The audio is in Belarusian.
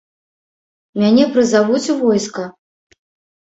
Мяне прызавуць у войска?